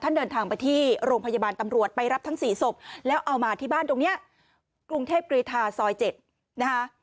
เดินทางไปที่โรงพยาบาลตำรวจไปรับทั้ง๔ศพแล้วเอามาที่บ้านตรงนี้กรุงเทพกรีธาซอย๗นะคะ